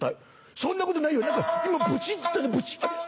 「そんなことないよ何か今ブチっつったんだブチっ。